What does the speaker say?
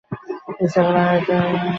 Isabel ও হ্যারিয়েটকে দেখবার জন্য আমি ব্যাকুল।